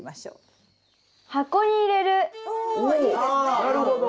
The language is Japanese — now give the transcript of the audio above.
なるほど。